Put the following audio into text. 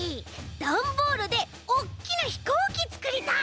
ダンボールでおっきなひこうきつくりたい。